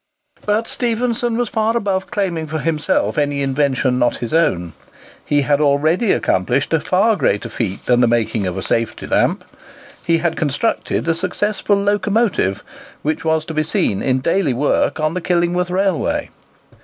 But Stephenson was far above claiming for himself any invention not his own. He had already accomplished a far greater feat than the making of a safety lamp—he had constructed a successful locomotive, which was to be seen in daily work on the Killingworth railway.